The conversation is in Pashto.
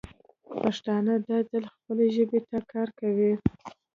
پښتانه دا ځل خپلې ژبې ته کار کوي.